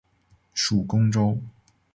属恭州。